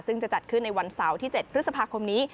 ซึ่งจะจัดขึ้นในวันเสาร์ที่๗พฤษภาคมนี้